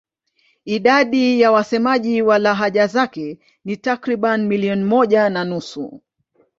Idadi ya wasemaji wa lahaja zake ni takriban milioni moja na nusu.